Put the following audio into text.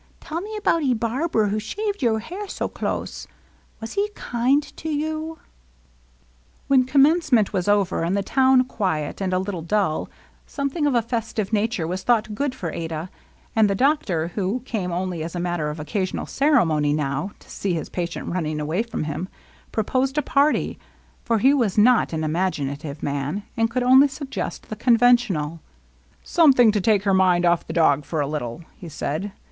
Tell me about 'e barber who shaved you hair so close, — was he kind to you ?" 42 LOVELINESS. When Commencement was over, and the town quiet and a Uttle dull, something of a festive nature was thought good for Adah ; and the doctor, who came only as a matter of occasional ceremony now, to see his patient running away from him, proposed a party; for he was not an imaginative man, and could only suggest the conventional. ^^ Something to take her mind ofiE the dog for a little," he said.